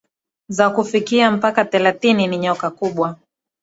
za kufikia mpaka thelathini Ni nyoka mkubwa